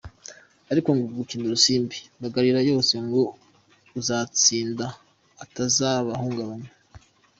Ari nko gukina urusimbi babagarira yose ngo uzatsinda atazabahungabanya.